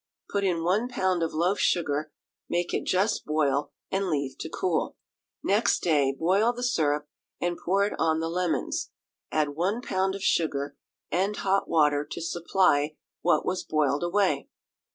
Put in one pound of loaf sugar, make it just boil, and leave to cool. Next day boil the syrup, and pour it on the lemons; add one pound of sugar, and hot water to supply what was boiled away.